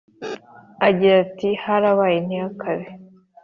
agira ati: "harabaye ntihakabe